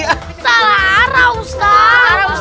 salah arah ustadz